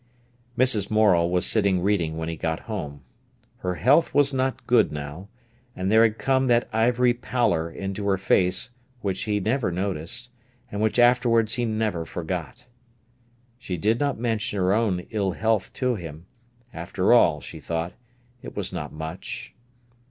Mrs. Morel was sitting reading when he got home. Her health was not good now, and there had come that ivory pallor into her face which he never noticed, and which afterwards he never forgot. She did not mention her own ill health to him. After all, she thought, it was not much.